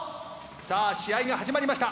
さあ試合が始まりました。